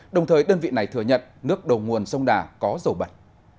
đồng thời đơn vị này thừa nhận nước đầu nguồn sông đà có dầu bật